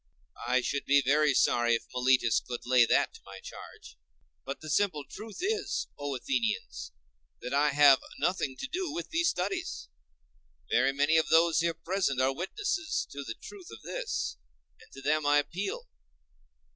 I should be very sorry if Meletus could lay that to my charge. But the simple truth is, O Athenians, that I have nothing to do with these studies. Very many of those here present are witnesses to the truth of this, and to them I appeal.